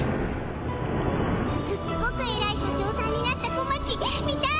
すっごくえらい社長さんになった小町見たい！